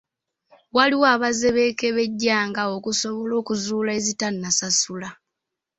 Waliwo abazeekebejjanga okusobola okuzuula ezitannasasula.